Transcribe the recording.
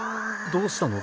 どうしたの？